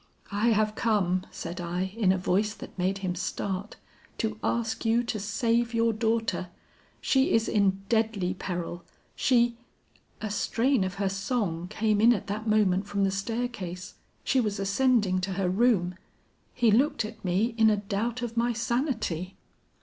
'I have come,' said I in a voice that made him start, 'to ask you to save your daughter. She is in deadly peril; she ' a strain of her song came in at that moment from the staircase. She was ascending to her room. He looked at me in a doubt of my sanity.